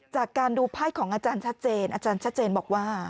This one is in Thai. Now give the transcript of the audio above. จากการดูไพ่ของอาจารย์ชัดเจนอาจารย์ชัดเจนบอกว่า